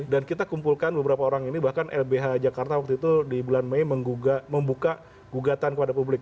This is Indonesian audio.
dan kita kumpulkan beberapa orang ini bahkan lbh jakarta waktu itu di bulan mei membuka gugatan kepada publik